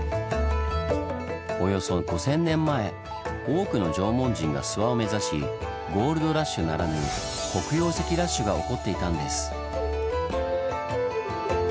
およそ５，０００年前多くの縄文人が諏訪を目指しゴールドラッシュならぬ黒曜石ラッシュが起こっていたんです。